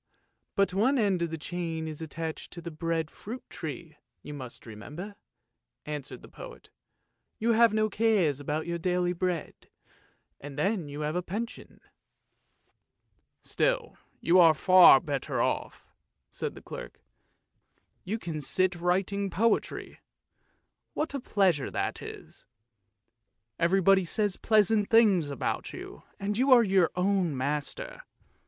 but one end of the chain is attached to the bread fruit tree, you must remember," answered the poet. " You have no cares about your daily bread, and then you have a pension." "Still you are far better off! " said the clerk; "you can sit writing poetry, what a pleasure that is. Everybody says pleasant things to you, and you are your own master.